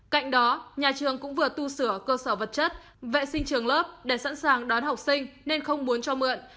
cạnh đó nhà trường cũng vừa tu sửa cơ sở vật chất vệ sinh trường lớp để sẵn sàng đón học sinh nên không muốn cho mượn